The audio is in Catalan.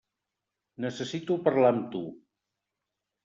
Necessito parlar amb tu.